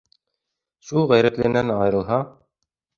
Шул ғәйрәтленән айырылһа